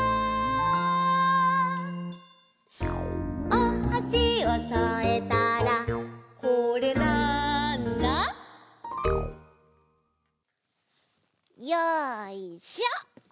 「おはしをそえたらこれ、なんだ？」よいしょ！